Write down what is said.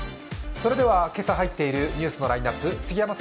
それでは今朝入っているニュースのラインナップ、杉山さん